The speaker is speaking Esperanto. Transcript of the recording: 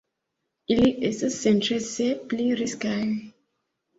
Ili estas senĉese pli riskaj.